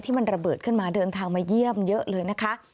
มันระเบิดขึ้นมาเดินทางมาเยี่ยมเยอะเลยนะคะ